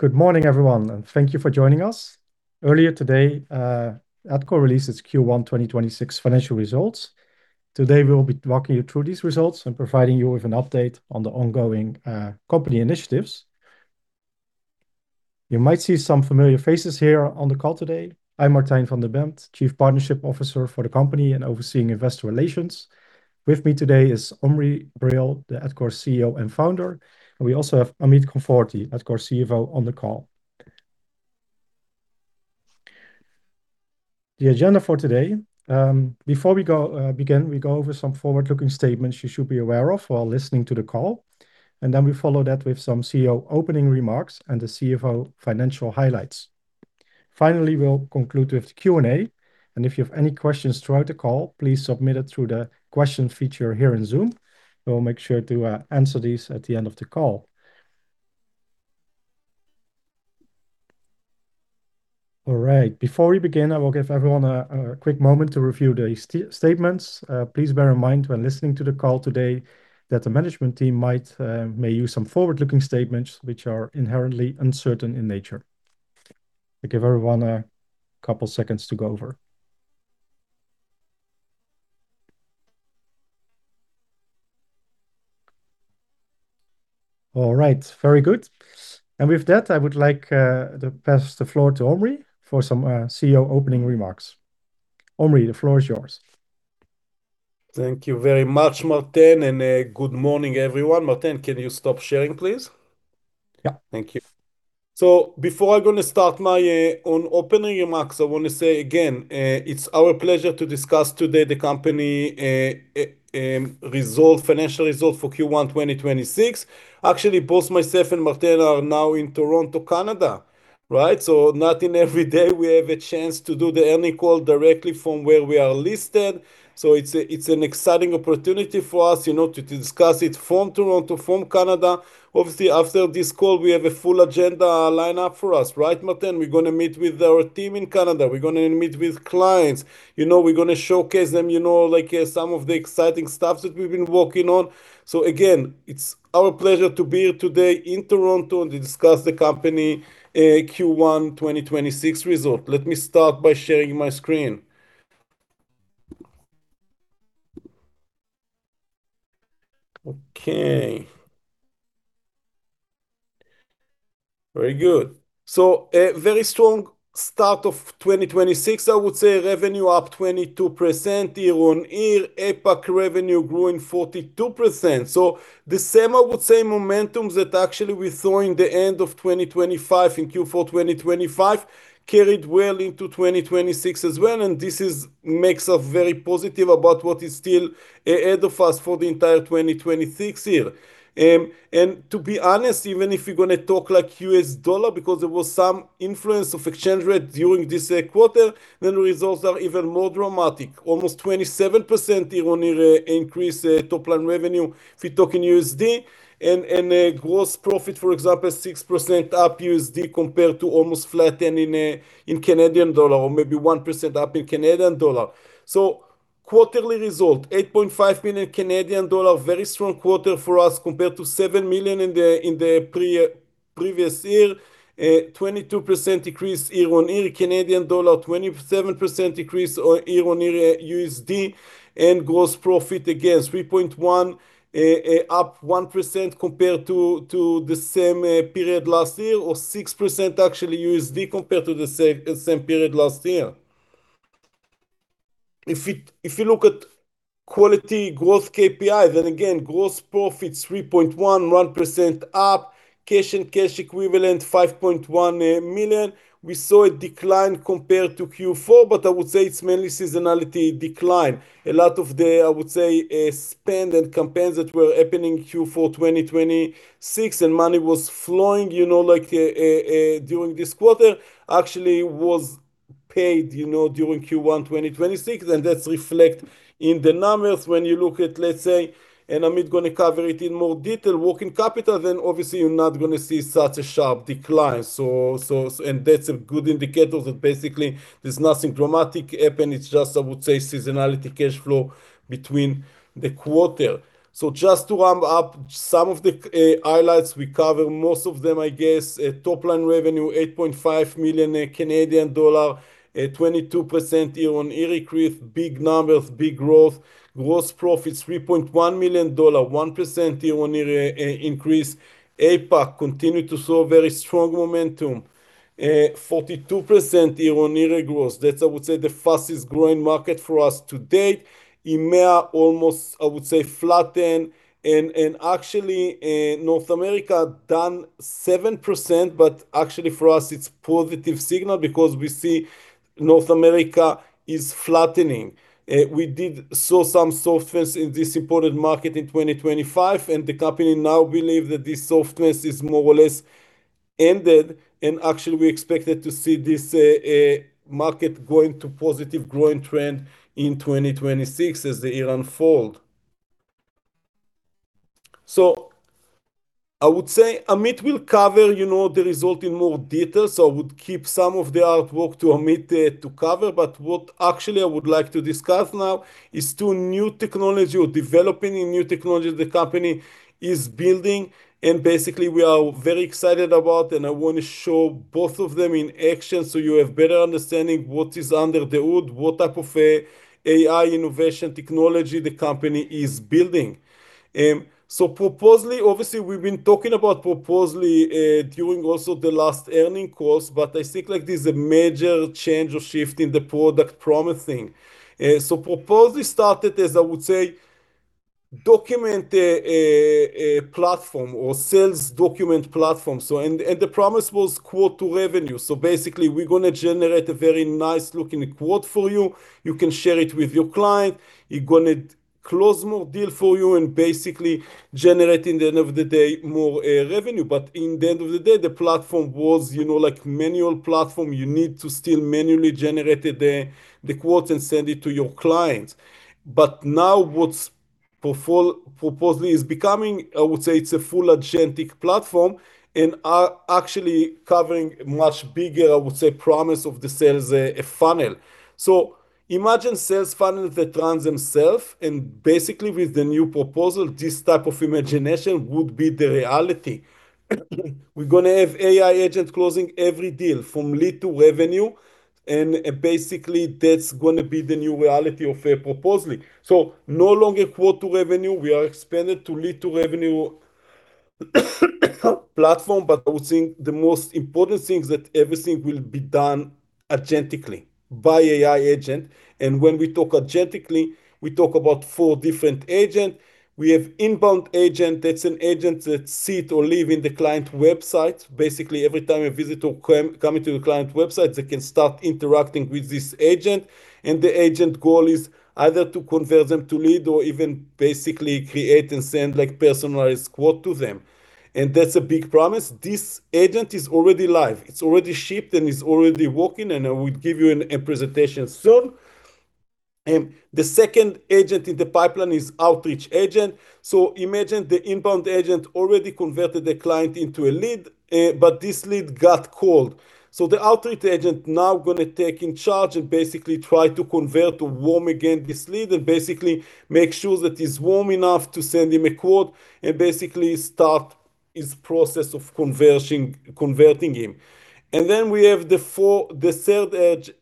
Good morning, everyone, and thank you for joining us. Earlier today, Adcore released its Q1 2026 Financial Results. Today, we'll be walking you through these results and providing you with an update on the ongoing company initiatives. You might see some familiar faces here on the call today. I'm Martijn van den Bemd, Chief Partnerships Officer for the company and overseeing investor relations. With me today is Omri Brill, the Adcore CEO and Founder, and we also have Amit Konforty, Adcore CFO, on the call. The agenda for today, before we go, begin, we go over some forward-looking statements you should be aware of while listening to the call, and then we follow that with some CEO opening remarks and the CFO financial highlights. Finally, we'll conclude with the Q&A, and if you have any questions throughout the call, please submit it through the question feature here in Zoom. We'll make sure to answer these at the end of the call. All right. Before we begin, I will give everyone a quick moment to review the statements. Please bear in mind when listening to the call today that the management team might may use some forward-looking statements which are inherently uncertain in nature. I give everyone a couple seconds to go over. All right, very good. With that, I would like to pass the floor to Omri for some CEO opening remarks. Omri, the floor is yours. Thank you very much, Martijn, and good morning, everyone. Martijn, can you stop sharing, please? Yeah. Thank you. Before I gonna start my own opening remarks, I wanna say again, it's our pleasure to discuss today the company financial results for Q1 2026. Actually, both myself and Martijn are now in Toronto, Canada, right? Not every day we have a chance to do the earnings call directly from where we are listed. It's an exciting opportunity for us, you know, to discuss it from Toronto, from Canada. Obviously, after this call, we have a full agenda lined up for us, right, Martijn? We're gonna meet with our team in Canada. We're gonna meet with clients. You know, we're gonna showcase them, you know, like, some of the exciting stuff that we've been working on. Again, it's our pleasure to be here today in Toronto and discuss the company Q1 2026 results. Let me start by sharing my screen. Okay. Very good. A very strong start of 2026, I would say. Revenue up 22% year-on-year. APAC revenue growing 42%. The same, I would say, momentums that actually we saw in the end of 2025, in Q4 2025, carried well into 2026 as well, and this is, makes us very positive about what is still ahead of us for the entire 2026 year. To be honest, even if you're gonna talk like US dollar, because there was some influence of exchange rate during this quarter, then the results are even more dramatic. Almost 27% year-on-year increase, top line revenue if you talk in USD. Gross profit, for example, 6% up USD compared to almost flat 10% in CAD, or maybe 1% up in CAD. Quarterly result, 8.5 million Canadian dollar. Very strong quarter for us compared to 7 million in the previous year. 22% increase year-over-year CAD, 27% increase year-over-year USD. Gross profit, again, 3.1 million, up 1% compared to the same period last year, or 6% actually USD compared to the same period last year. If you look at quality growth KPI, again, gross profit 3.1 million, 1% up. Cash and cash equivalent, 5.1 million. We saw a decline compared to Q4. I would say it's mainly seasonality decline. A lot of the, I would say, spend and campaigns that were happening Q4 2026, and money was flowing, you know, like, during this quarter, actually was paid, you know, during Q1 2026. That's reflect in the numbers. When you look at, let's say, Amit gonna cover it in more detail, working capital, obviously you're not gonna see such a sharp decline. That's a good indicator that basically there's nothing dramatic happened. It's just, I would say, seasonality cash flow between the quarter. Just to wrap up some of the highlights, we cover most of them, I guess. Top line revenue, 8.5 million CAD, 22% year-on-year increase. Big numbers, big growth. Gross profit, 3.1 million dollar, 1% year-on-year increase. APAC continue to show very strong momentum, 42% year-over-year growth. That's I would say the fastest growing market for us to date. EMEA almost, I would say, flattened. Actually, North America done 7%, but actually for us it's positive signal because we see North America is flattening. We did saw some softness in this important market in 2025. The company now believe that this softness is more or less ended. Actually, we expected to see this market going to positive growing trend in 2026 as the year unfold. I would say Amit will cover, you know, the result in more detail. I would keep some of the artwork to Amit to cover. What actually I would like to discuss now is two new technology or developing a new technology the company is building, and basically we are very excited about, and I want to show both of them in action so you have better understanding what is under the hood, what type of AI innovation technology the company is building. Proposaly, obviously we've been talking about Proposaly during also the last earning calls, I think like there's a major change or shift in the product promising. Proposaly started as, I would say, document platform or sales document platform. The promise was quote to revenue. Basically we're gonna generate a very nice-looking quote for you. You can share it with your client. You're going to close more deal for you and basically generate at the end of the day more revenue. In the end of the day, the platform was, you know, like manual platform. You need to still manually generate the quote and send it to your clients. Now what's Proposaly is becoming, I would say, it's a full agentic platform and are actually covering much bigger, I would say, promise of the sales funnel. Imagine sales funnels that runs themself, and basically with the new Proposaly, this type of imagination would be the reality. We're gonna have AI agent closing every deal from lead to revenue, and basically that's gonna be the new reality of Proposaly. No longer quote to revenue, we are expanded to lead to revenue platform, but I would think the most important thing is that everything will be done agentically by AI agent. When we talk agentically, we talk about four different agents. We have Inbound Agent. That's an agent that sits or lives in the client website. Basically, every time a visitor coming to a client website, they can start interacting with this agent, and the agent goal is either to convert them to lead or even basically create and send like personalized quote to them, and that's a big promise. This agent is already live. It's already shipped, and it's already working, and I will give you a presentation soon. The second agent in the pipeline is Outreach Agent. Imagine the Inbound Agent already converted the client into a lead, but this lead got cold. The Outreach Agent now going to take in charge and basically try to convert to warm again this lead and basically make sure that he's warm enough to send him a quote and basically start his process of converting him. We have the third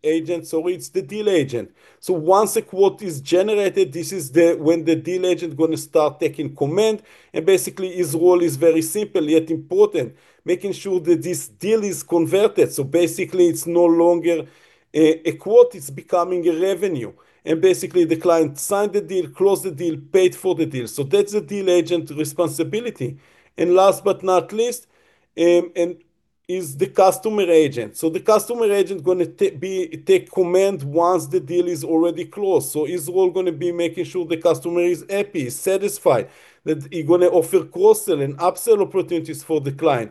agent, it's the Deal Agent. Once a quote is generated, this is the when the Deal Agent going to start taking command, and basically his role is very simple, yet important, making sure that this deal is converted. Basically it's no longer a quote, it's becoming a revenue. Basically the client signed the deal, closed the deal, paid for the deal. That's the Deal Agent responsibility. Last but not least, and is the customer agent. The Customer Agent gonna take command once the deal is already closed. His role gonna be making sure the customer is happy, satisfied, that he gonna offer cross-sell and up-sell opportunities for the client.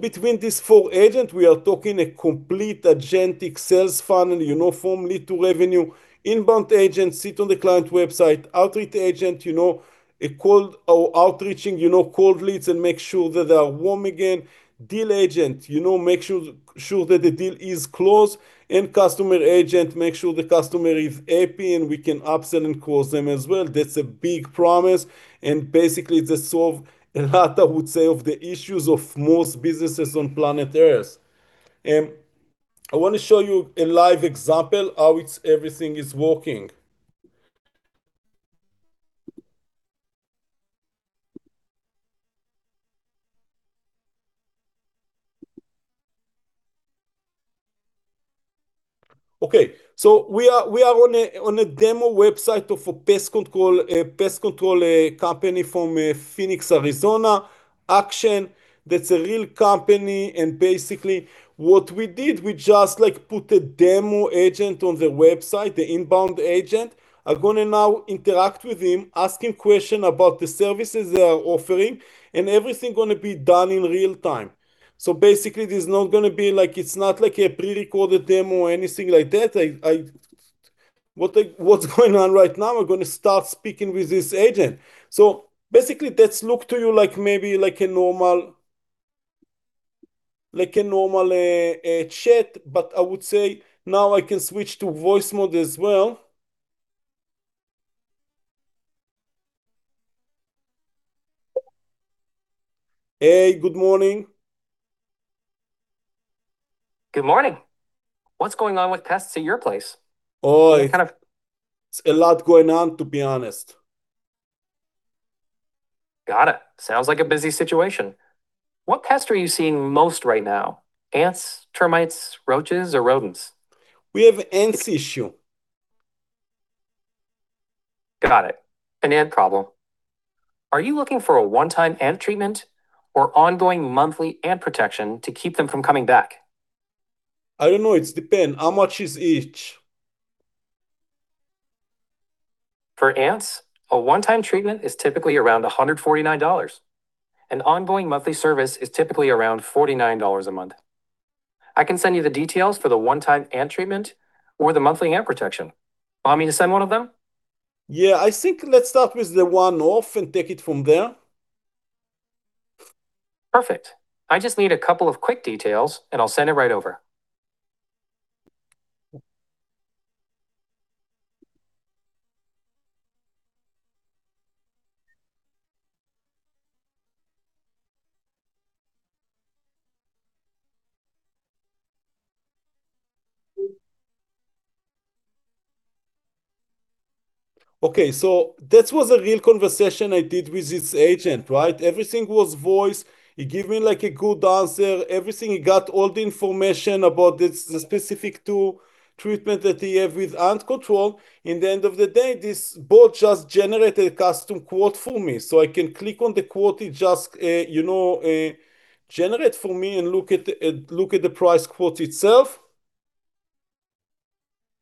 Between these four agents, we are talking a complete agentic sales funnel, you know, from lead to revenue. Inbound Agent sit on the client website. Outreach Agent, you know, a cold or outreaching, you know, cold leads and make sure that they are warm again. Deal Agent, you know, make sure that the deal is closed. Customer agent, make sure the customer is happy, and we can up-sell and cross them as well. That's a big promise, and basically that solve I would say of the issues of most businesses on planet Earth. I want to show you a live example how it's everything is working. Okay. We are on a demo website of a pest control company from Phoenix, Arizona, ACTION. That's a real company, and basically what we did, we just like put a demo agent on the website, the Inbound Agent. I'm gonna now interact with him, ask him question about the services they are offering, and everything gonna be done in real-time. Basically this is not gonna be like, it's not like a pre-recorded demo or anything like that. What's going on right now, we're gonna start speaking with this agent. Basically that's look to you like maybe like a normal chat, but I would say now I can switch to voice mode as well. Hey, good morning. Good morning. What's going on with pests at your place? What kind of- It's a lot going on, to be honest. Got it. Sounds like a busy situation. What pest are you seeing most right now? Ants, termites, roaches or rodents? We have ants issue. Got it. An ant problem. Are you looking for a one-time ant treatment or ongoing monthly ant protection to keep them from coming back? I don't know. It's depend. How much is each? For ants, a one-time treatment is typically around 149 dollars. An ongoing monthly service is typically around 49 dollars a month. I can send you the details for the one-time ant treatment or the monthly ant protection. Want me to send one of them? Yeah. I think let's start with the one-off and take it from there. Perfect. I just need a couple of quick details, and I'll send it right over. Okay. That was a real conversation I did with this agent, right? Everything was voice. He give me, like, a good answer. Everything, he got all the information about this, the specific two treatment that he have with ant control. In the end of the day, this bot just generated a custom quote for me. I can click on the quote it just, you know, generate for me and look at, look at the price quote itself.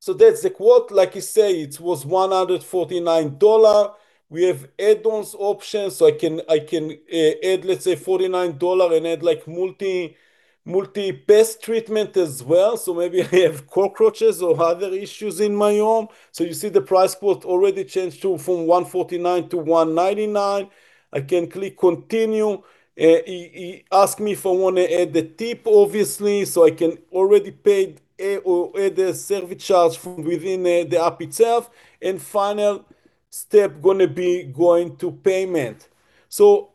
That's the quote. Like he say, it was 149 dollar. We have add-ons options, I can, I can add, let's say, 49 dollar and add, like, multi-pest treatment as well. Maybe I have cockroaches or other issues in my home. You see the price quote already changed to, from 149 to 199. I can click Continue. He ask me if I wanna add a tip, obviously, I can already paid or add a service charge from within the app itself. Final step gonna be going to payment.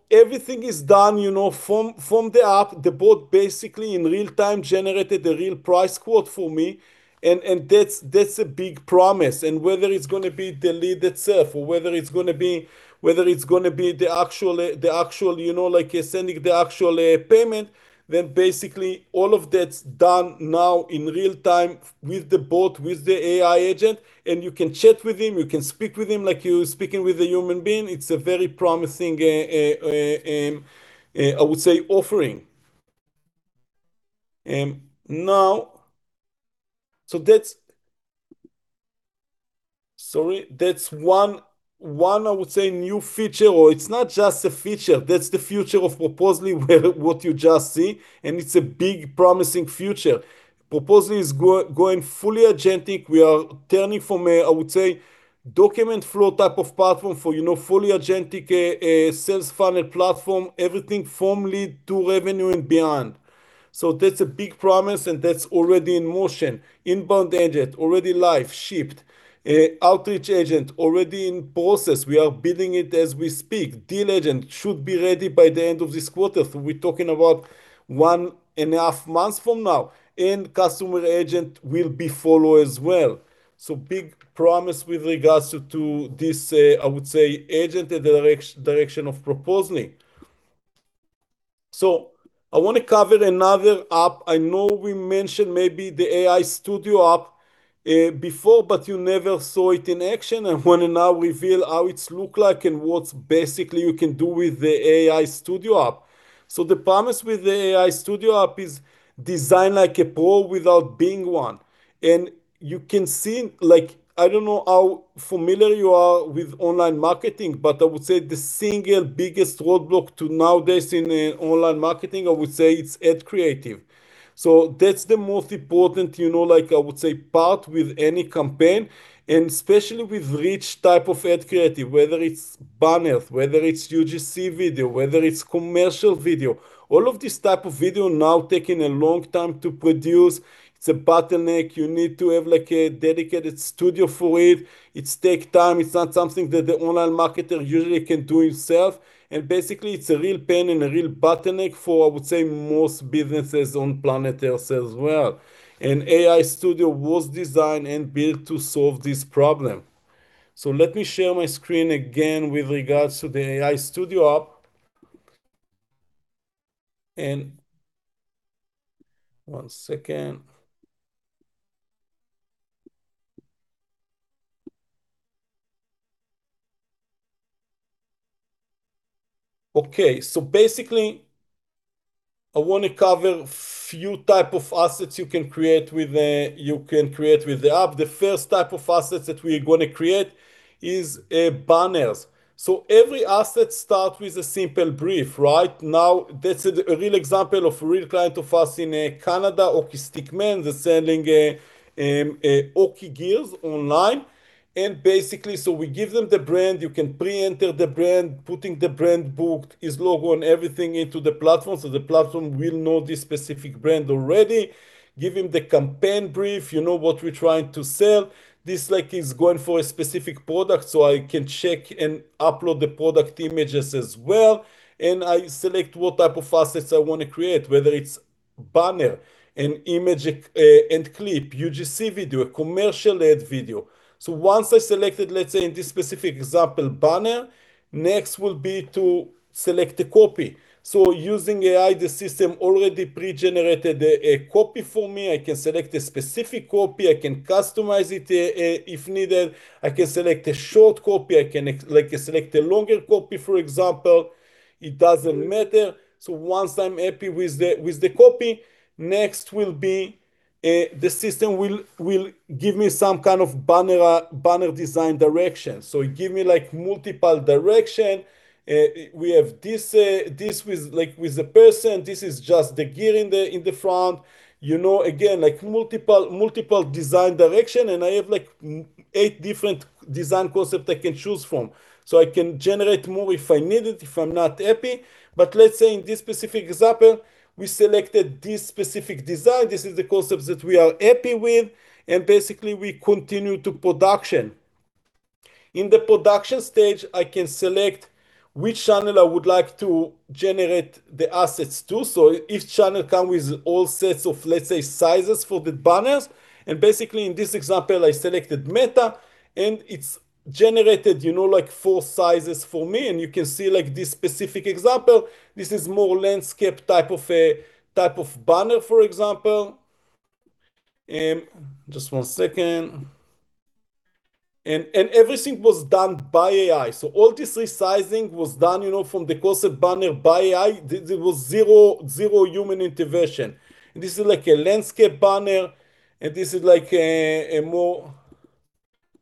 Everything is done, you know, from the app. The bot basically in real-time generated a real price quote for me, and that's a big promise. Whether it's gonna be the lead itself, or whether it's gonna be the actual, you know, like, sending the actual payment, then basically all of that's done now in real time with the bot, with the AI Agent. You can chat with him, you can speak with him like you're speaking with a human being. It's a very promising offering. That's one, I would say, new feature, or it's not just a feature. That's the future of Proposaly where what you just see, and it's a big promising future. Proposaly is going fully agentic. We are turning from a, I would say, document flow type of platform for, you know, fully agentic sales funnel platform. Everything from lead to revenue and beyond. That's a big promise, and that's already in motion. Inbound Agent already live, shipped. Outreach Agent already in process. We are building it as we speak. Deal Agent should be ready by the end of this quarter, so we're talking about 1.5 months from now, and customer agent will be follow as well. Big promise with regards to this, I would say, agent and direction of Proposaly. I wanna cover another app. I know we mentioned maybe the AI Studio app before, you never saw it in action. I wanna now reveal how it's look like and what basically you can do with the AI Studio app. The promise with the AI Studio app is design like a pro without being one. You can see, like, I don't know how familiar you are with online marketing, I would say the single biggest roadblock to nowadays in online marketing, I would say it's ad creative. That's the most important, you know, like, I would say, part with any campaign, and especially with rich type of ad creative, whether it's banners, whether it's UGC video, whether it's commercial video. All of this type of video now taking a long time to produce. It's a bottleneck. You need to have, like, a dedicated studio for it. It's take time. It's not something that the online marketer usually can do himself. Basically, it's a real pain and a real bottleneck for, I would say, most businesses on planet Earth as well. AI Studio was designed and built to solve this problem. Let me share my screen again with regards to the AI Studio app, one second, okay. Basically, I wanna cover few type of assets you can create with, you can create with the app. The first type of assets that we're gonna create is banners. Every asset start with a simple brief, right? Now, that's a real example of a real client of us in Canada, HockeyStickMan. They're selling hockey gears online. Basically, we give them the brand. You can pre-enter the brand, putting the brand booked, its logo and everything into the platform, so the platform will know this specific brand already. Give him the campaign brief, you know, what we're trying to sell. This, like, is going for a specific product, so I can check and upload the product images as well. I select what type of assets I wanna create, whether it's banner and image, and clip, UGC video, a commercial ad video. Once I selected, let's say in this specific example, banner, next will be to select the copy. Using AI, the system already pre-generated a copy for me. I can select a specific copy. I can customize it if needed. I can select a short copy. I can, like, select a longer copy, for example. It doesn't matter. Once I'm happy with the copy, next will be, the system will give me some kind of banner design direction. It give me, like, multiple direction. We have this, like, with the person. This is just the gear in the front. You know, again, like, multiple design direction, and I have, like, eight different design concept I can choose from. I can generate more if I need it, if I'm not happy. Let's say in this specific example, we selected this specific design. This is the concept that we are happy with, and basically we continue to production. In the production stage, I can select which channel I would like to generate the assets to. Each channel come with all sets of, let's say, sizes for the banners, and basically in this example I selected Meta, and it's generated, you know, like, four sizes for me. You can see, like, this specific example, this is more landscape type of, type of banner, for example. Just one second. Everything was done by AI. All this resizing was done, you know, from the concept banner by AI. There was zero human intervention. This is, like, a landscape banner, and this is, like, a more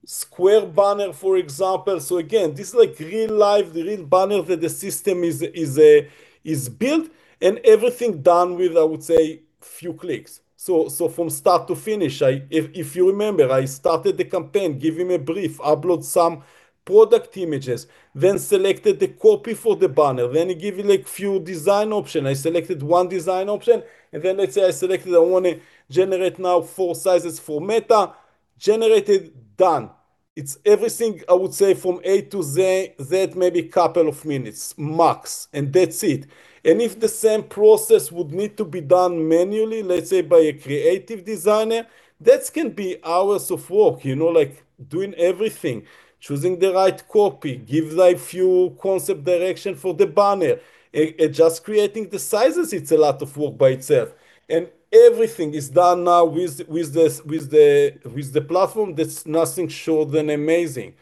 square banner, for example. Again, this is, like, real life, the real banner that the system is built, and everything done with, I would say, few clicks. From start to finish, if you remember, I started the campaign, give him a brief, upload some product images, then selected the copy for the banner, then it give you, like, few design option. I selected one design option, and then let's say I selected I wanna generate now four sizes for Meta. Generated, done. It's everything, I would say, from A to Z, that maybe couple of minutes max. That's it. If the same process would need to be done manually, let's say by a creative designer, that can be hours of work, you know. Like, doing everything, choosing the right copy, give, like, few concept direction for the banner. Just creating the sizes, it's a lot of work by itself. Everything is done now with this, with the platform, that's nothing short than amazing.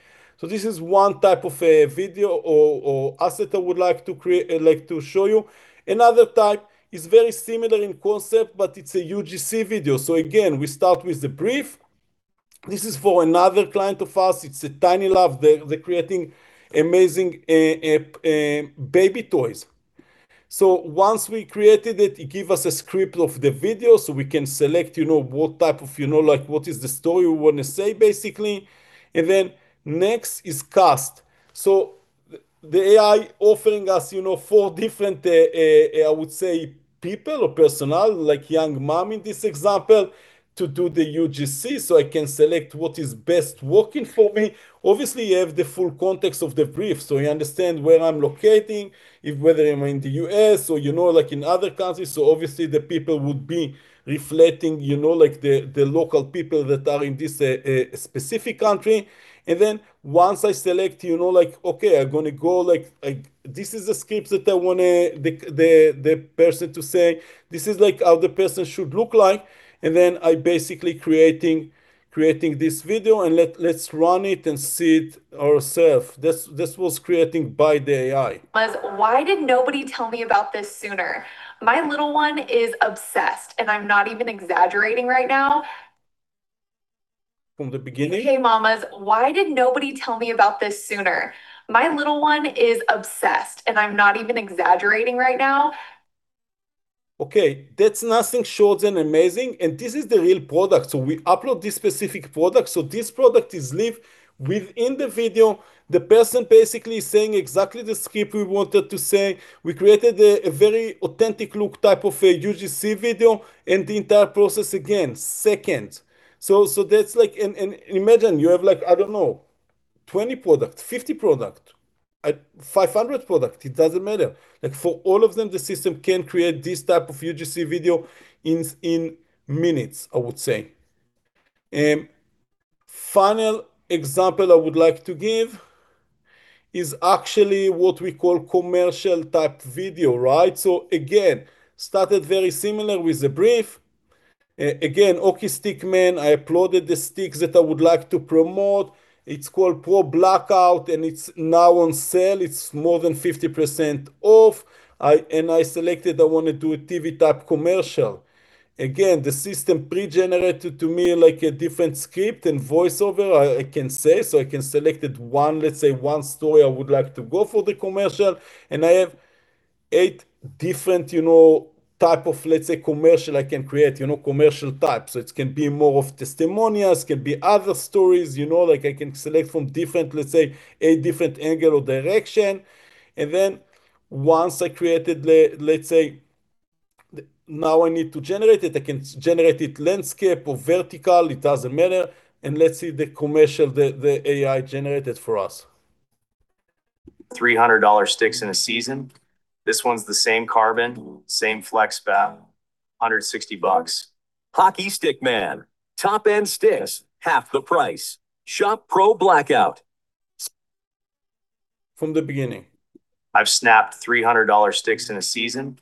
This is one type of a video or asset I would like to create, I'd like to show you. Another type is very similar in concept, but it's a UGC video. Again, we start with the brief. This is for another client of ours. It's Tiny Love. They creating amazing baby toys. Once we created it give us a script of the video so we can select, you know, what type of, you know, like, what is the story we wanna say, basically. Next is cast. The AI offering us, you know, four different, I would say, people or personnel, like young mom in this example, to do the UGC, so I can select what is best working for me. You have the full context of the brief, so you understand where I'm locating, if whether I'm in the U.S. or, you know, like, in other countries. The people would be reflecting, you know, like, the local people that are in this specific country. Once I select, you know, like, okay, I'm gonna go, Like this is the script that I want to the person to say. This is, like, how the person should look like, and then I basically creating this video, let's run it and see it ourself. This was creating by the AI. Was why did nobody tell me about this sooner? My little one is obsessed, and I'm not even exaggerating right now. From the beginning. Hey, mamas. Why did nobody tell me about this sooner? My little one is obsessed, and I'm not even exaggerating right now. Okay. That's nothing short than amazing. This is the real product. We upload this specific product. This product is live within the video. The person basically saying exactly the script we wanted to say. We created a very authentic look type of a UGC video. The entire process, again, seconds. That's. Imagine you have 20 product, 50 product, 500 product. It doesn't matter. For all of them, the system can create this type of UGC video in minutes, I would say. Final example I would like to give is what we call commercial type video, right? Again, started very similar with the brief. Again, HockeyStickMan. I uploaded the sticks that I would like to promote. It's called Pro Blackout. It's now on sale. It's more than 50% off. I selected I wanna do a TV-type commercial. Again, the system pre-generated to me, like, a different script and voiceover, I can say. I can selected one, let's say one story I would like to go for the commercial, and I have eight different, you know, type of, let's say, commercial I can create, you know, commercial type. It can be more of testimonials, can be other stories. You know, like, I can select from different, let's say, a different angle or direction. Once I created the, let's say Now I need to generate it. I can generate it landscape or vertical. It doesn't matter. Let's see the commercial that the AI generated for us. 300 dollar sticks in a season. This one's the same carbon, same flex path, 160 bucks. HockeyStickMan. Top-end sticks, half the price. Shop Pro Blackout. From the beginning. I've snapped 300 dollar sticks in a season.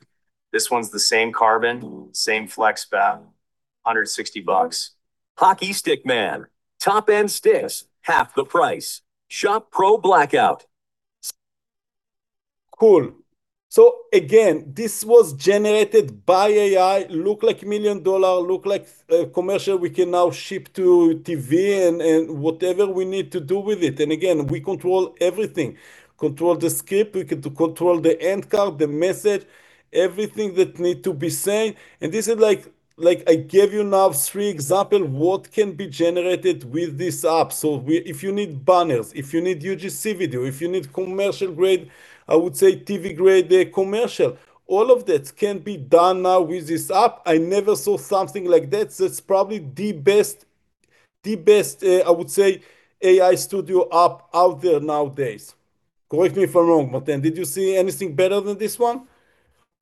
This one's the same carbon, same flex path, 160 bucks. HockeyStickMan. Top-end sticks, half the price. Shop Pro Blackout Cool. Again, this was generated by AI, look like 1 million dollar, look like a commercial we can now ship to TV and whatever we need to do with it. Again, we control everything. Control the script, we can control the end card, the message, everything that need to be saying. This is like I gave you now three example what can be generated with this app. If you need banners, if you need UGC video, if you need commercial grade, I would say TV grade commercial, all of that can be done now with this app. I never saw something like that, it's probably the best I would say AI Studio app out there nowadays. Correct me if I'm wrong, Martijn. Did you see anything better than this one?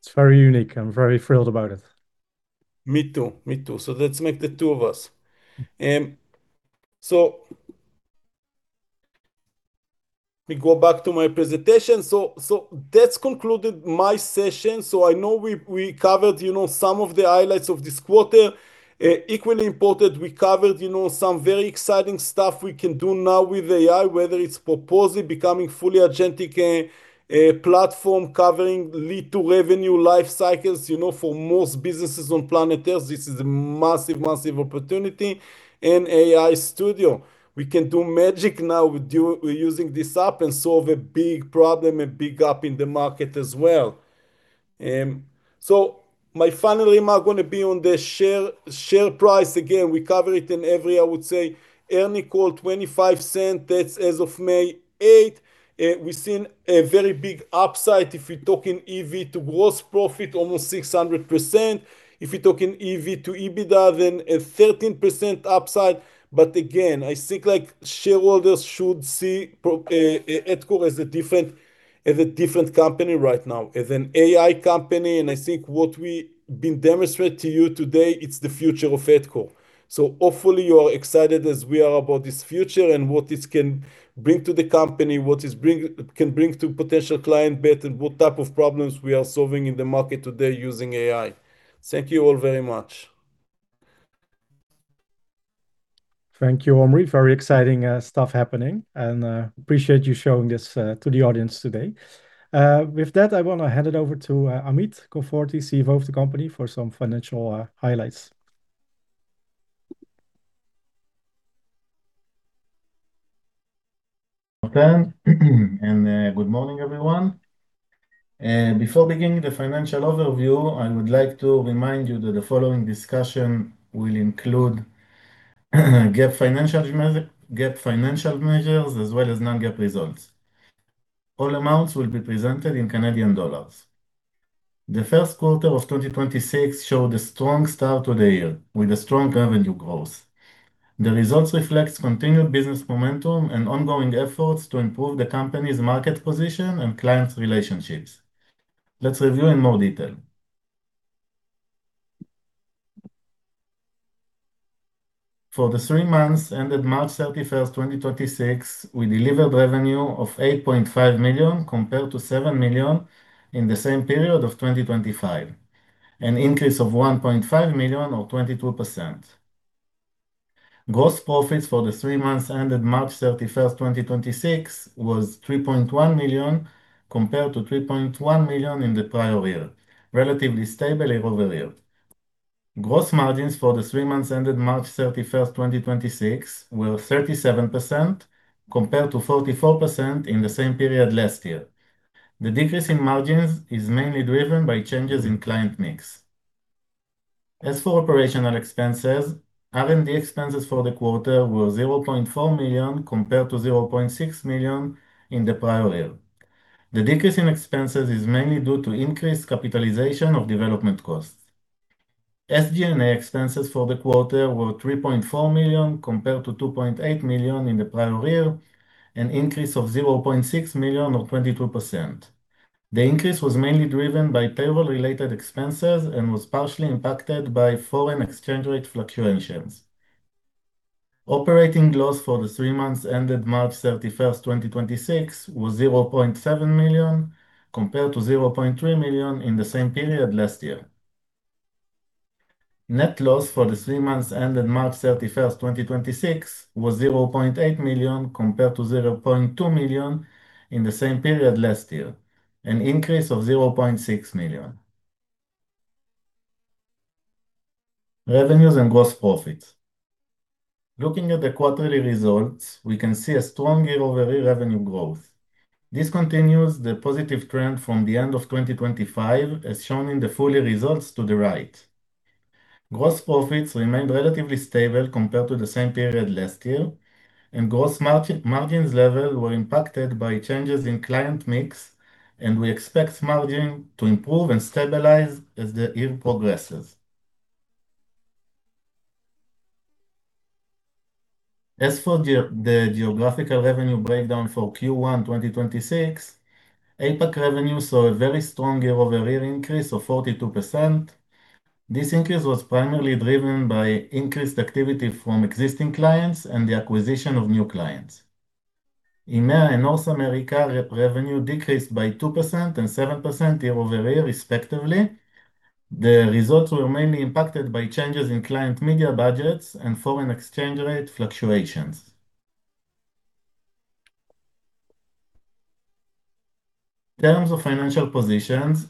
It's very unique. I'm very thrilled about it. Me too. Me too. That's make the 2 of us. Let me go back to my presentation. That's concluded my session. I know we covered, you know, some of the highlights of this quarter. Equally important, we covered, you know, some very exciting stuff we can do now with AI, whether it's Proposaly becoming fully agentic platform covering lead to revenue life cycles. You know, for most businesses on planet Earth, this is a massive opportunity. AI Studio, we can do magic now with using this app and solve a big problem, a big gap in the market as well. My final remark gonna be on the share price. Again, we cover it in every, I would say, earning call 0.25, that's as of May 8th. We've seen a very big upside if we're talking EV to Gross Profit, almost 600%. If we're talking EV to EBITDA, a 13% upside. Again, I think like shareholders should see Adcore as a different, as a different company right now, as an AI company. I think what we been demonstrate to you today, it's the future of Adcore. Hopefully you are excited as we are about this future and what this can bring to the company, what it can bring to potential client base, and what type of problems we are solving in the market today using AI. Thank you all very much. Thank you, Omri. Very exciting stuff happening, and appreciate you showing this to the audience today. With that, I wanna hand it over to Amit Konforty, CEO of the company, for some financial highlights. Martijn, good morning, everyone. Before beginning the financial overview, I would like to remind you that the following discussion will include GAAP financial measures as well as non-GAAP results. All amounts will be presented in Canadian dollars. The first quarter of 2026 showed a strong start to the year with a strong revenue growth. The results reflects continued business momentum and ongoing efforts to improve the company's market position and clients' relationships. Let's review in more detail. For the three months ended March 31st, 2026, we delivered revenue of 8.5 million compared to 7 million in the same period of 2025, an increase of 1.5 million or 22%. Gross profits for the three months ended March 31st, 2026, was 3.1 million compared to 3.1 million in the prior year, relatively stable year-over-year. Gross margins for the three months ended March 31st, 2026, were 37% compared to 44% in the same period last year. The decrease in margins is mainly driven by changes in client mix. As for operational expenses, R&D expenses for the quarter were 0.4 million compared to 0.6 million in the prior year. The decrease in expenses is mainly due to increased capitalization of development costs. SG&A expenses for the quarter were 3.4 million compared to 2.8 million in the prior year, an increase of 0.6 million or 22%. The increase was mainly driven by travel-related expenses and was partially impacted by foreign exchange rate fluctuations. Operating loss for the three months ended March 31st, 2026, was 0.7 million compared to 0.3 million in the same period last year. Net loss for the three months ended March 31st, 2026, was 0.8 million compared to 0.2 million in the same period last year, an increase of 0.6 million. Revenues and gross profits. Looking at the quarterly results, we can see a strong year-over-year revenue growth. This continues the positive trend from the end of 2025, as shown in the full results to the right. Gross profits remained relatively stable compared to the same period last year, and gross margins level were impacted by changes in client mix, and we expect margin to improve and stabilize as the year progresses. As for the geographical revenue breakdown for Q1 2026, APAC revenue saw a very strong year-over-year increase of 42%. This increase was primarily driven by increased activity from existing clients and the acquisition of new clients. EMEA and North America revenue decreased by 2% and 7% year-over-year respectively. The results were mainly impacted by changes in client media budgets and foreign exchange rate fluctuations. Terms of financial positions.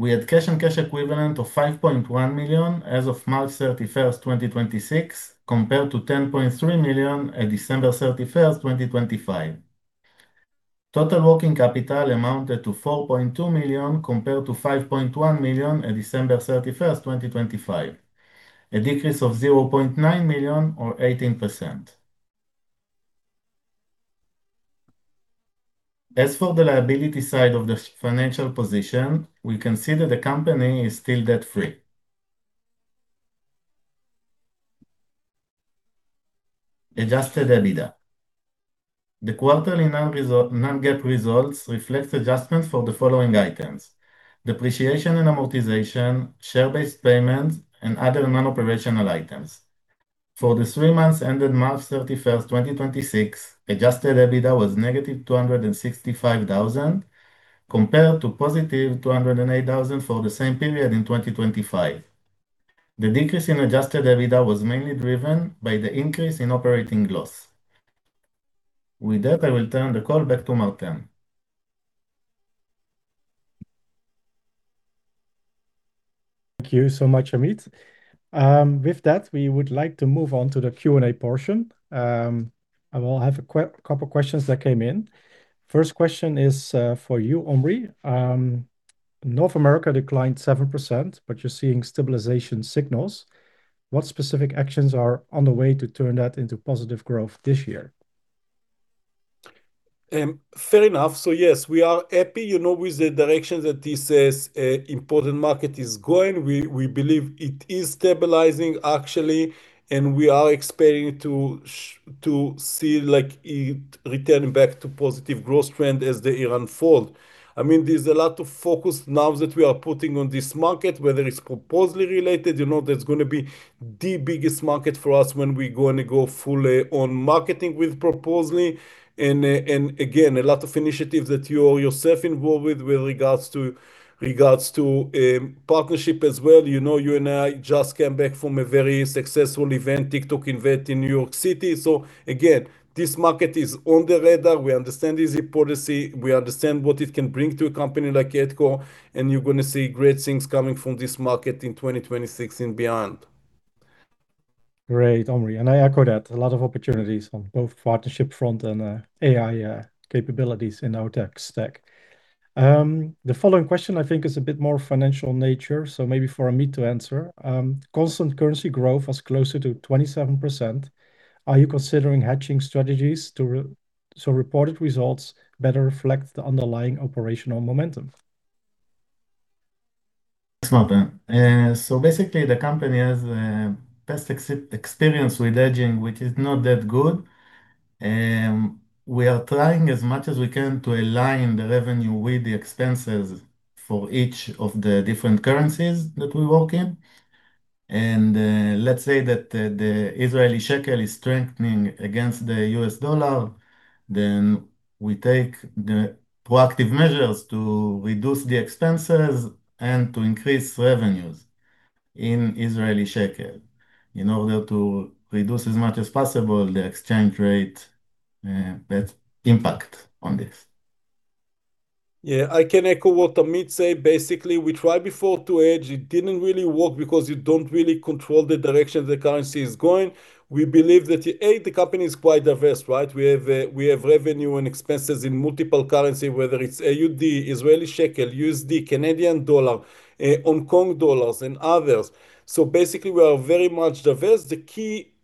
We had cash and cash equivalent of 5.1 million as of March 31st, 2026, compared to 10.3 million at December 31st, 2025. Total working capital amounted to 4.2 million compared to 5.1 million at December 31st, 2025, a decrease of 0.9 million or 18%. As for the liability side of the financial position, we can see that the company is still debt-free. Adjusted EBITDA. The quarterly non-GAAP results reflects adjustments for the following items. Depreciation and amortization, share-based payments, and other non-operational items. For the three months ended March 31st, 2026, adjusted EBITDA was negative 265,000, compared to positive 208,000 for the same period in 2025. The decrease in adjusted EBITDA was mainly driven by the increase in operating loss. With that, I will turn the call back to Martijn van den Bemd. Thank you so much, Amit. With that, we would like to move on to the Q&A portion. I will have a couple questions that came in. First question is for you, Omri. "North America declined 7%, but you are seeing stabilization signals. What specific actions are on the way to turn that into positive growth this year?" Fair enough. Yes, we are happy, you know, with the direction that this important market is going. We believe it is stabilizing actually, we are expecting to see, like, it returning back to positive growth trend as the year unfold. I mean, there's a lot of focus now that we are putting on this market, whether it's Proposaly related. You know, that's gonna be the biggest market for us when we're gonna go fully on marketing with Proposaly. Again, a lot of initiatives that you're yourself involved with with regards to partnership as well. You know, you and I just came back from a very successful event, TikTok Invents in New York City. Again, this market is on the radar. We understand its importance. We understand what it can bring to a company like Adcore, and you're gonna see great things coming from this market in 2026 and beyond. Great, Omri, and I echo that. A lot of opportunities on both partnership front and AI capabilities in our tech stack. The following question I think is a bit more financial in nature, so maybe for Amit to answer. "Constant currency growth was closer to 27%. Are you considering hedging strategies so reported results better reflect the underlying operational momentum?" Thanks, Martijn. Basically, the company has past experience with hedging, which is not that good. We are trying as much as we can to align the revenue with the expenses for each of the different currencies that we work in. Let's say that the Israeli shekel is strengthening against the US dollar, then we take the proactive measures to reduce the expenses and to increase revenues in Israeli shekel in order to reduce as much as possible the exchange rate that impact on this. Yeah, I can echo what Amit say. Basically, we tried before to hedge. It didn't really work because you don't really control the direction the currency is going. We believe that, A, the company is quite diverse, right? We have, we have revenue and expenses in multiple currency, whether it's AUD, Israeli shekel, USD, Canadian dollar, Hong Kong dollars, and others. Basically, we are very much diverse. The key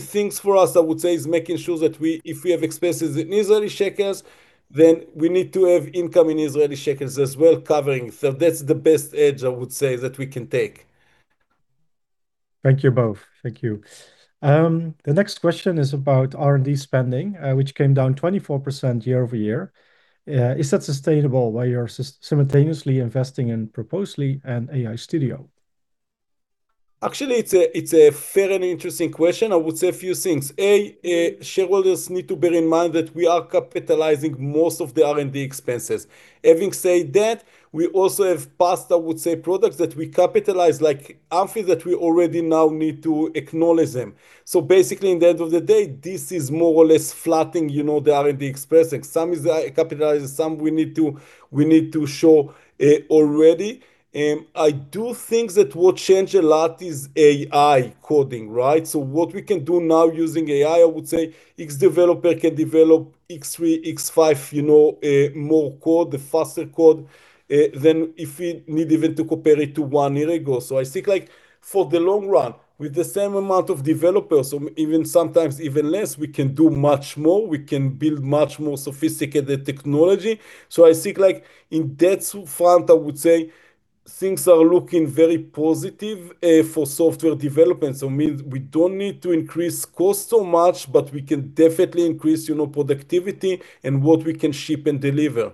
things for us, I would say, is making sure that we, if we have expenses in Israeli shekels, then we need to have income in Israeli shekels as well covering. That's the best hedge, I would say, that we can take. Thank you both. Thank you. The next question is about R&D spending, "which came down 24% year-over-year. Is that sustainable while you're simultaneously investing in Proposaly and AI Studio?" Actually, it's a fair and interesting question. I would say a few things. Shareholders need to bear in mind that we are capitalizing most of the R&D expenses. Having said that, we also have passed, I would say, products that we capitalize, like Amphy, that we already now need to acknowledge them. Basically, in the end of the day, this is more or less flattening, you know, the R&D expensing. Some is capitalized, and some we need to show already. I do think that what change a lot is AI coding, right? What we can do now using AI, I would say, each developer can develop 3x, 5x, you know, more code, faster code than if we need even to compare it to one year ago. I think, like, for the long run, with the same amount of developers or even sometimes even less, we can do much more. We can build much more sophisticated technology. I think, like, in that front, I would say things are looking very positive, for software development. means we don't need to increase cost so much, but we can definitely increase, you know, productivity and what we can ship and deliver.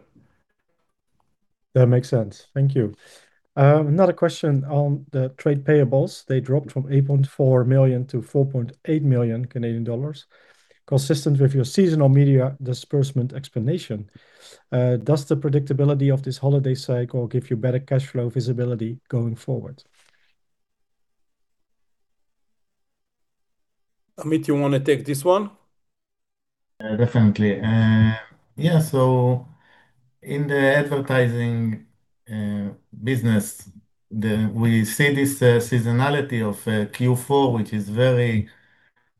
That makes sense. Thank you. Another question on the trade payables. They dropped from 8.4 million to 4.8 million Canadian dollars, consistent with your seasonal media disbursement explanation. Does the predictability of this holiday cycle give you better cash flow visibility going forward? Amit, you wanna take this one? Definitely. In the advertising business, we see this seasonality of Q4, which is very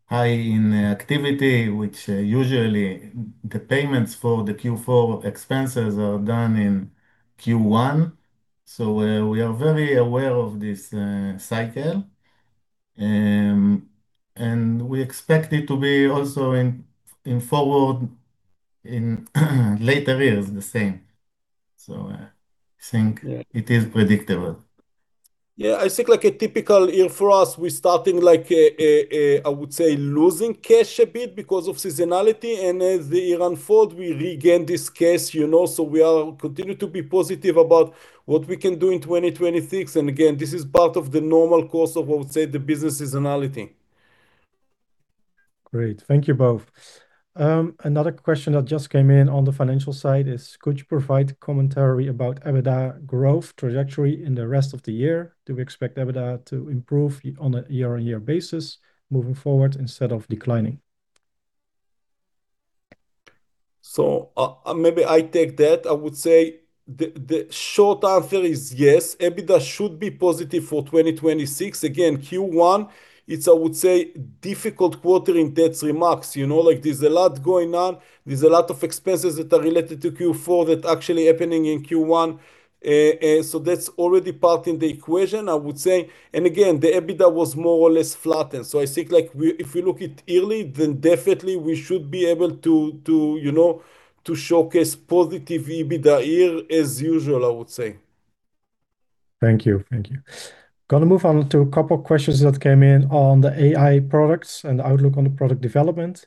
high in activity, which usually the payments for the Q4 expenses are done in Q1. We are very aware of this cycle. We expect it to be also in forward, in later years the same. Yeah. It is predictable. I think like a typical year for us, we're starting like a, I would say losing cash a bit because of seasonality, and as the year unfold, we regain this cash, you know. We are continue to be positive about what we can do in 2026, again, this is part of the normal course of I would say the business seasonality. Great. Thank you both. Another question that just came in on the financial side is, "Could you provide commentary about EBITDA growth trajectory in the rest of the year? Do we expect EBITDA to improve on a year-on-year basis moving forward instead of declining?" Maybe I take that. I would say the short answer is yes, EBITDA should be positive for 2026. Again, Q1, it's, I would say, difficult quarter in that regard. You know, like there's a lot going on. There's a lot of expenses that are related to Q4 that actually happening in Q1. That's already part in the equation, I would say. Again, the EBITDA was more or less flattened. I think like if we look it yearly, then definitely we should be able to, you know, to showcase positive EBITDA year as usual, I would say. Thank you. Thank you. Gonna move on to a couple questions that came in on the AI products and outlook on the product development.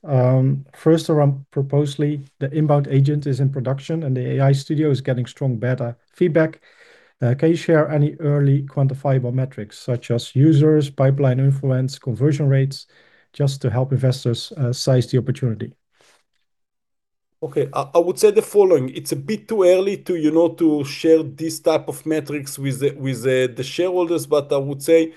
"First around Proposaly, the Inbound Agent is in production, and the AI Studio is getting strong beta feedback. Can you share any early quantifiable metrics such as users, pipeline influence, conversion rates, just to help investors seize the opportunity?" Okay. I would say the following: It's a bit too early to, you know, to share this type of metrics with the, with the shareholders, but I would say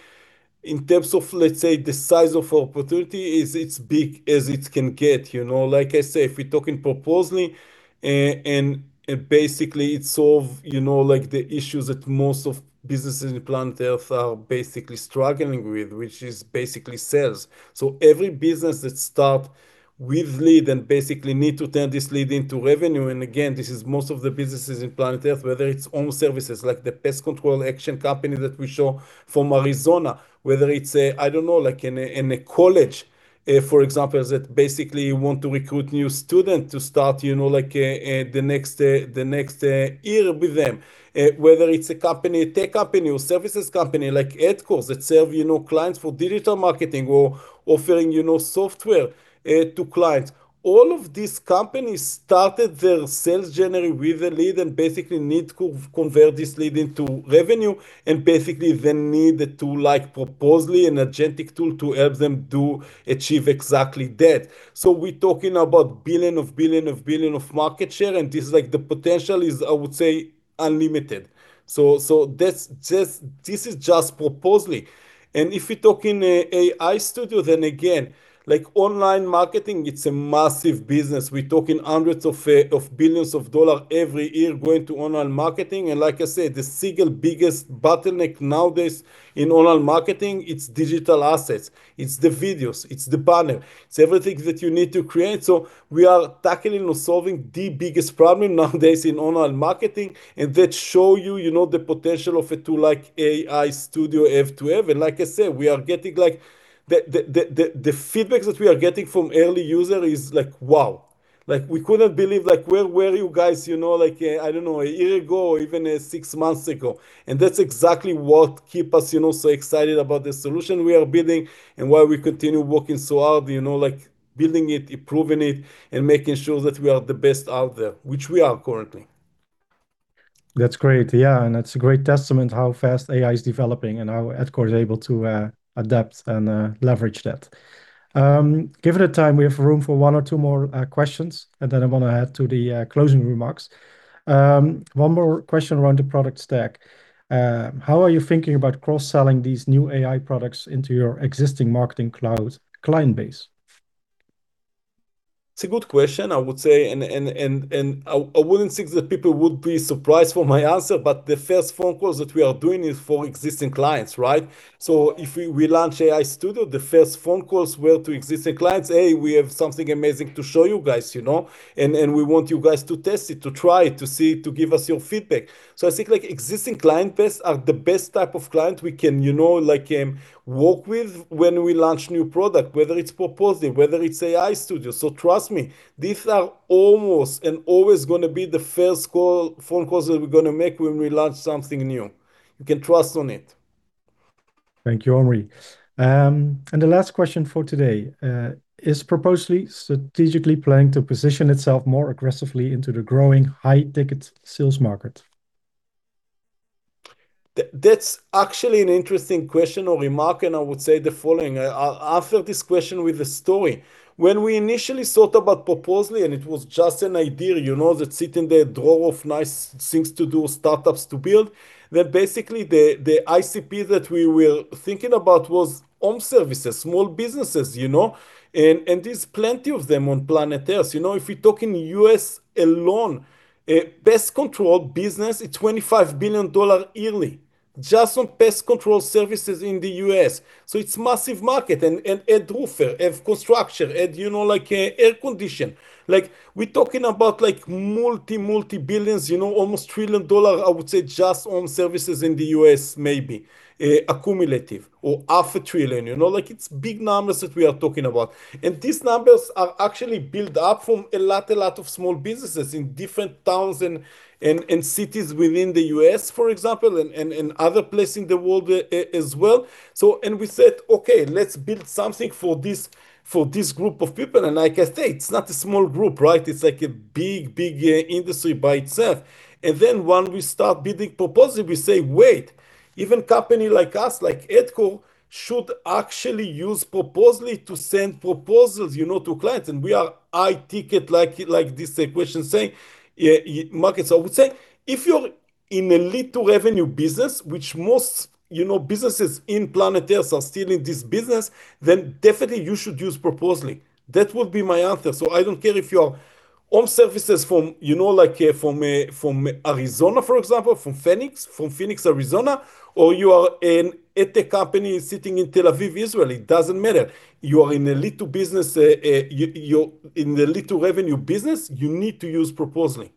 in terms of, let's say, the size of opportunity is it's big as it can get. You know, like I say, if we're talking Proposaly, and it basically it solve, you know, like the issues that most of businesses in planet Earth are basically struggling with, which is basically sales. Every business that start with lead and basically need to turn this lead into revenue, and again, this is most of the businesses in planet Earth, whether it's own services like the pest control ACTION company that we show from Arizona, whether it's a, I don't know, like in a college, for example, that basically want to recruit new student to start, you know, like a the next year with them. Whether it's a company, a tech company or services company like Adcore that serve, you know, clients for digital marketing or offering, you know, software to clients. All of these companies started their sales journey with a lead and basically need to convert this lead into revenue, and basically they need the tool like Proposaly, an agentic tool, to help them to achieve exactly that. We're talking about billion of billion of billion of market share, and this is like the potential is, I would say, unlimited. This is just Proposaly. If we talk in AI Studio, then again, like online marketing, it's a massive business. We're talking hundreds of billions of CAD dollar every year going to online marketing, and like I said, the single biggest bottleneck nowadays in online marketing, it's digital assets. It's the videos. It's the banner. It's everything that you need to create. We are tackling or solving the biggest problem nowadays in online marketing, and that show you know, the potential of a tool like AI Studio F2F. Like I said, we are getting like the feedback that we are getting from early user is like, "Wow." Like we couldn't believe like where were you guys, you know, like, I don't know, a year ago or even, six months ago. That's exactly what keep us, you know, so excited about the solution we are building and why we continue working so hard, you know, like building it, improving it, and making sure that we are the best out there, which we are currently. That's great. Yeah, and that's a great testament how fast AI is developing and how Adcore is able to adapt and leverage that. Given the time, we have room for one or two more questions, and then I wanna head to the closing remarks. One more question around the product stack. "How are you thinking about cross-selling these new AI products into your existing Marketing Cloud client base?" It's a good question, I would say, I wouldn't think that people would be surprised for my answer, the first phone calls that we are doing is for existing clients, right? If we launch AI Studio, the first phone calls were to existing clients. Hey, we have something amazing to show you guys, you know, we want you guys to test it, to try it, to see, to give us your feedback. I think like existing client base are the best type of client we can, you know, like, work with when we launch new product, whether it's Proposaly, whether it's AI Studio. Trust me, these are almost and always gonna be the first phone calls that we're gonna make when we launch something new. You can trust on it. Thank you, Omri. The last question for today, "Is Proposaly strategically planning to position itself more aggressively into the growing high-ticket sales market?" That's actually an interesting question or remark. I would say the following. I'll answer this question with a story. When we initially thought about Proposaly, and it was just an idea, you know, that sit in the drawer of nice things to do, startups to build, then basically the ICP that we were thinking about was home services, small businesses, you know? There's plenty of them on planet Earth. You know, if we talk in the U.S. alone, a pest control business, a $25 billion yearly just on pest control services in the U.S., so it's massive market. Add roofer, add construction, add, you know, like a air condition. Like, we're talking about, like, multi-multi-billions, you know, almost $1 trillion, I would say, just home services in the U.S. maybe, accumulative, or $500 trillion, you know? Like, it’s big numbers that we are talking about. These numbers are actually built up from a lot of small businesses in different towns and cities within the U.S., for example, and other place in the world as well. We said, “Okay, let’s build something for this group of people.” Like I say, it’s not a small group, right? It’s like a big industry by itself. When we start building Proposaly, we say, wait, even company like us, like Adcore, should actually use Proposaly to send proposals, you know, to clients, and we are high ticket like this question saying markets. I would say if you’re in a lead to revenue business, which most, you know, businesses in planet Earth are still in this business, then definitely you should use Proposaly. That would be my answer. I don't care if you are home services from, you know, like, from Arizona, for example, from Phoenix, Arizona, or you are an EdTech company sitting in Tel Aviv, Israel. It doesn't matter. You're in a lead to revenue business, you need to use Proposaly.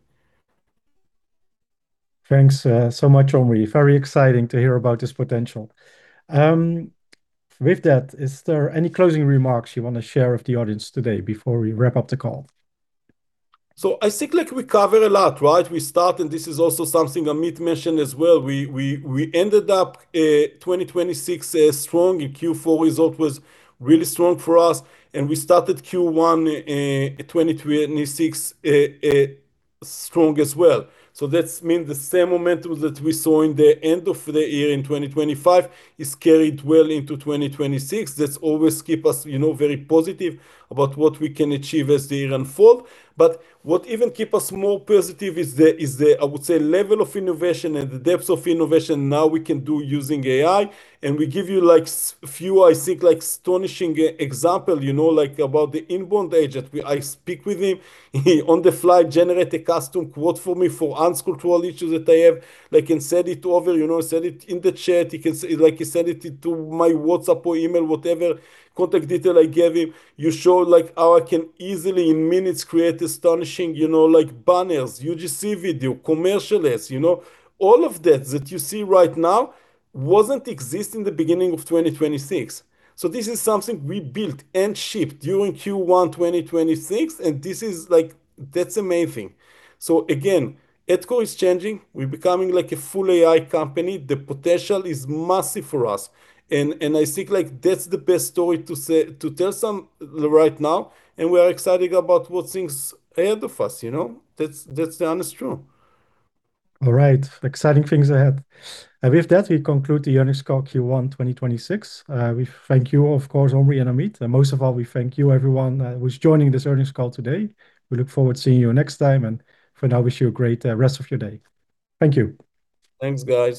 Thanks, so much, Omri. Very exciting to hear about this potential. With that, is there any closing remarks you wanna share with the audience today before we wrap up the call? I think, like, we cover a lot, right? We start, and this is also something Amit mentioned as well, we ended up 2026 strong, and Q4 result was really strong for us, and we started Q1 2026 strong as well. That's mean the same momentum that we saw in the end of the year in 2025 is carried well into 2026. That's always keep us, you know, very positive about what we can achieve as the year unfold. What even keep us more positive is the, I would say, level of innovation and the depth of innovation now we can do using AI, and we give you, like, few, I think, like, astonishing example, you know, like about the Inbound Agent. I speak with him. He on the fly generate a custom quote for me for unscripted issue that I have. Like, send it to other, you know, send it in the chat. He send it to my WhatsApp or email, whatever contact detail I gave him. You show, like, how I can easily in minutes create astonishing, you know, like banners, UGC video, commercial ads, you know. All of that that you see right now wasn't exist in the beginning of 2026. This is something we built and shipped during Q1 2026, and this is, like, that's amazing. Again, Adcore is changing. We're becoming, like, a full AI company. The potential is massive for us. I think, like, that's the best story to say, to tell some right now. We are excited about what things ahead of us, you know? That's the honest truth. All right. Exciting things ahead. And with that, we conclude the earnings call Q1 2026. We thank you, of course, Omri and Amit, and most of all, we thank you everyone who's joining this earnings call today. We look forward to seeing you next time, and for now wish you a great rest of your day. Thank you. Thanks, guys.